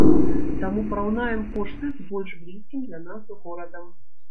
Таму параўнаем кошты з больш блізкім для нас горадам.